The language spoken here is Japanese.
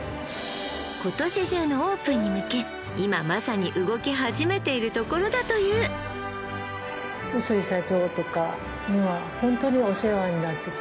今年中のオープンに向け今まさに動き始めているところだというなのでいやヒロミさん